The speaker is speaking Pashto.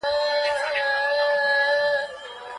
د بل په ژوند کې مداخله مه کوئ.